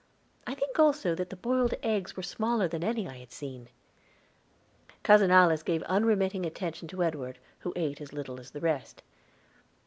I think also that the boiled eggs were smaller than any I had seen. Cousin Alice gave unremitting attention to Edward, who ate as little as the rest.